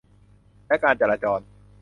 และการจราจร